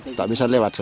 tidak bisa lewat